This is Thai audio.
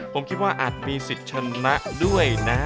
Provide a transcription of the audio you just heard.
ผมคิดว่าอาจมีสิทธิ์ชนะด้วยนะ